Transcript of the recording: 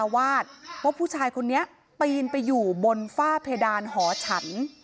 วาดว่าผู้ชายคนนี้ปีนไปอยู่บนฝ้าเพดานหอฉัน